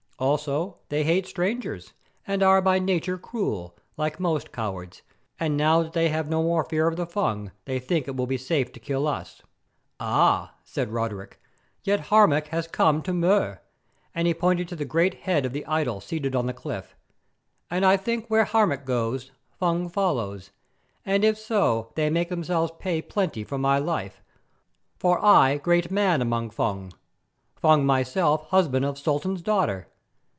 Also they hate strangers, and are by nature cruel, like most cowards, and now that they have no more fear of the Fung, they think it will be safe to kill us." "Ah!" said Roderick; "yet Harmac has come to Mur," and he pointed to the great head of the idol seated on the cliff, "and I think where Harmac goes, Fung follow, and if so they make them pay plenty for my life, for I great man among Fung; Fung myself husband of Sultan's daughter.